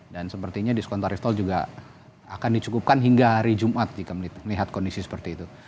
dan sepertinya diskon tarif tol juga akan dicukupkan hingga hari jumat jika melihat kondisi seperti itu